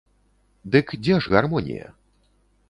Дык дзе ж гармонія?